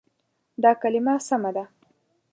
دا کلمه سمه ده.